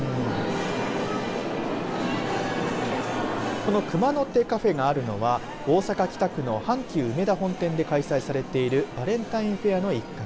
このクマの手カフェがあるのは大阪、北区の阪急うめだ本店で開催されているバレンタインフェアの一角。